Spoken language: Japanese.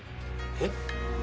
えっ？